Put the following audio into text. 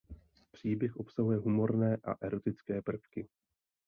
Příběh obsahuje humorné a erotické prvky.